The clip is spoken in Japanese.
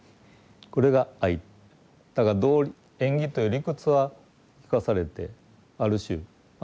だから縁起という理屈は聞かされてある種あ